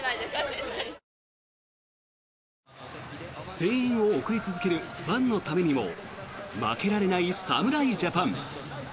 声援を送り続けるファンのためにも負けられない侍ジャパン。